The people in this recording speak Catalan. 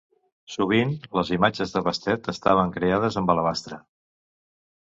Sovint, les imatges de Bastet estaven creades amb alabastre.